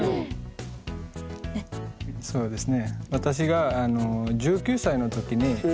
そうですね。